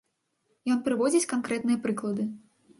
Ён прыводзіць канкрэтныя прыклады.